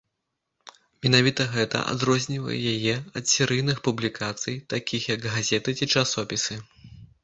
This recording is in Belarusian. Менавіта гэта адрознівае яе ад серыйных публікацый, такіх як газеты ці часопісы.